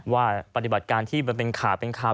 ว่าปฏิบัติการที่มันเป็นข่าว